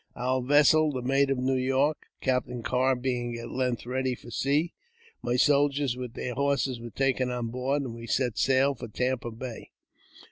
Our vessel, the Maid of Neio York, Captain Carr, being at' length ready for sea, my soldiers, with their horses, were taken on board, and we set sail for Tampa Bay.